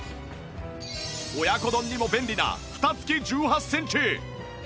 親子丼にも便利な蓋付き１８センチ